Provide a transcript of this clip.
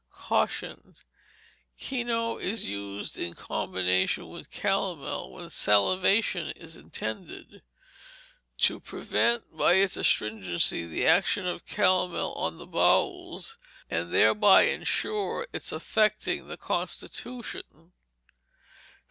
Caution. Kino is used in combination with calomel, when salivation is intended, to prevent, by its astringency, the action of the calomel on the bowels, and thereby insure its affecting the constitution.